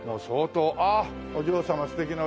あっお嬢様素敵な。